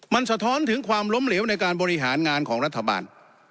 มันสะท้อนถึงความล้มเหลวในการบริหารงานของรัฐบาล